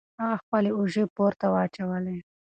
هغه خپلې اوژې پورته واچولې.